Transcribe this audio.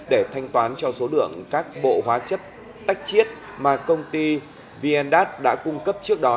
để thanh toán cho số lượng các bộ hóa chất tách chiết mà công ty vndat đã cung cấp trước đó